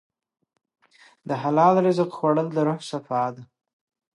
د حلال رزق خوړل د روح صفا ده.